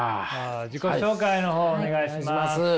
自己紹介の方お願いします。